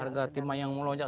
harga timah yang melonjak